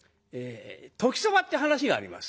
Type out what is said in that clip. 「時そば」って噺があります。